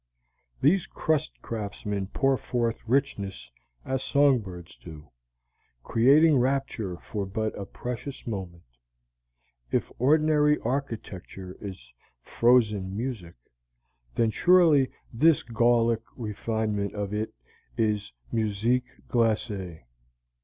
These crust craftsmen pour forth richness as song birds do, creating rapture for but a precious moment. If ordinary architecture is "frozen music," then surely this Gallic refinement of it is "musique glacée."